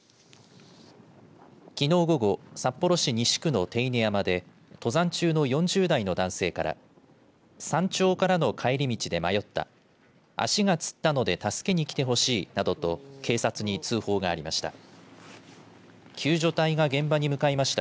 きのう午後札幌市西区の手稲山で登山中の４０代の男性から山頂からの帰り道で迷った足がつったので助けに来てほしい、などと警察に通報がありました。